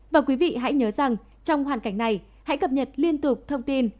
và quý vị hãy nhớ rằng trong hoàn cảnh này hãy cập nhật liên tục thông tin